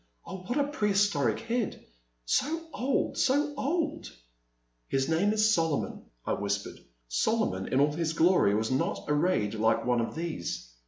Oh, what a prehistoric head — so old, so old !*'His name is Solomon,'* I whispered. Solo mon in all his glory was not arrayed like one of these.